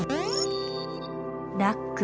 「ラック」